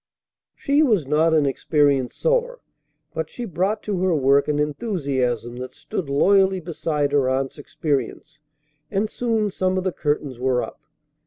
She was not an experienced sewer, but she brought to her work an enthusiasm that stood loyally beside her aunt's experience, and soon some of the curtains were up.